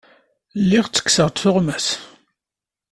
Lliɣ ttekkseɣ-d tuɣmas.